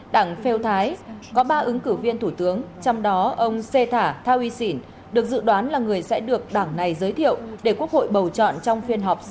đảng pheo thái có ba ứng cử viên thủ tướng trong đó ông seta thawisin được dự đoán là người sẽ được đảng này giới thiệu để quốc hội bầu chọn trong phiên họp sắp tới